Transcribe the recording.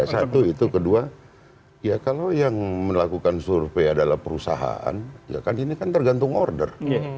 satu itu kedua ya kalau yang melakukan survei adalah perusahaan ya kan ini kan tergantung order